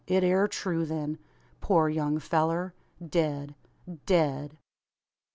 It air true, then! Poor young fellur dead dead!"